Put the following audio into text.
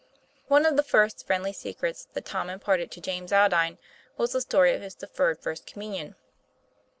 One of the first friendly secrets that Tom imparted to James Aldine was the story of his deferred First Communion.